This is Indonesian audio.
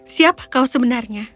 siap kau sebenarnya